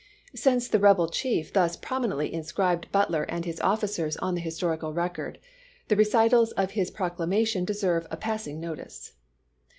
Since the rebel chief thus prominently inscribed Butler and his officers on the historical record, the recitals of his proclamation deserve a pass ing notice.